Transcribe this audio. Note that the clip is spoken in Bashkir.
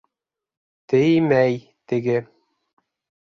— Теймәй теге!